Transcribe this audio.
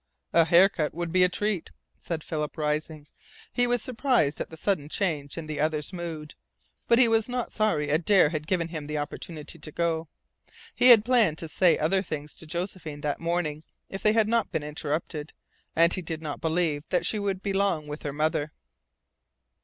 "A hair cut would be a treat," said Philip, rising. He was surprised at the sudden change in the other's mood. But he was not sorry Adare had given him the opportunity to go. He had planned to say other things to Josephine that morning if they had not been interrupted, and he did not believe that she would be long with her mother.